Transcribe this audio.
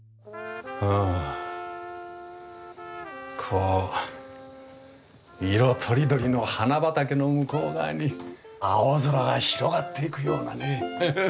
こう色とりどりの花畑の向こう側に青空が広がっていくようだね。